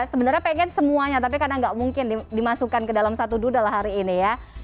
sebenarnya pengen semuanya tapi karena nggak mungkin dimasukkan ke dalam satu duodle hari ini ya